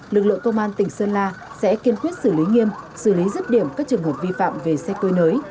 lực lượng tô man tỉnh sơn la sẽ kiên quyết xử lý nghiêm xử lý giúp điểm các trường hợp vi phạm về xe côi nới